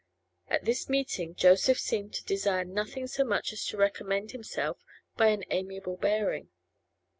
At this meeting Joseph seemed to desire nothing so much as to recommend himself by an amiable bearing.